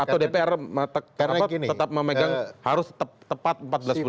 atau dpr tetap memegang harus tepat empat belas bulan